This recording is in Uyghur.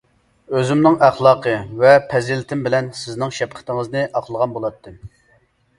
ئۆزۈمنىڭ ئەخلاقى ۋە پەزىلىتىم بىلەن سىزنىڭ شەپقىتىڭىزنى ئاقلىغان بولاتتىم.